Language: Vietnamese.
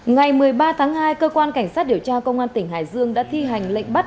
ngày một mươi ba tháng hai cơ quan cảnh sát điều tra công an tỉnh hải dương đã thi hành lệnh bắt